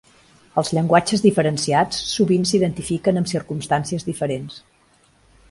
Els llenguatges diferenciats sovint s'identifiquen amb circumstàncies diferents.